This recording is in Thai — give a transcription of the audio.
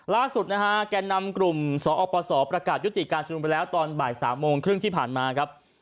ล่าสุดนะฮะแก่นำกลุ่มสอปศประกาศยุติการชุมนุมไปแล้วตอนบ่าย๓โมงครึ่งที่ผ่านมาครับ